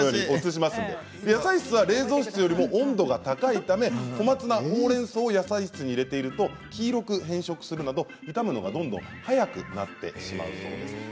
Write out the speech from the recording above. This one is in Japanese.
野菜室は冷蔵室よりも温度が高いため小松菜や、ほうれんそうを野菜室に入れていると黄色く変色するなど傷むのが、どんどん早くなってしまうそうです。